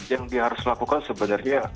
yang dia harus lakukan sebenarnya